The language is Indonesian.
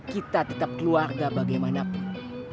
kita tetap keluarga bagaimanapun